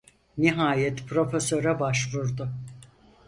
Nihayet profesöre başvurdu.